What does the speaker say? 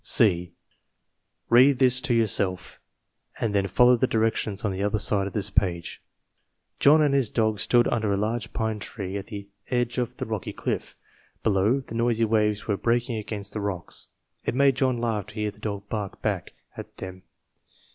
Read this to yourself, and then follow the directions on the other side of this page: John and his dog stood under a large pine tree at the edge of the rocky cliff. Below, the noisy waves were breaking against the rocks. It made John laugh to hear the dog bark back at them.